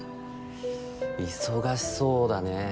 忙しそうだね。